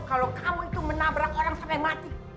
kalau kamu itu menabrak orang sampai mati